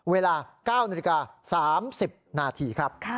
เวลา๙นาที๓๐นาที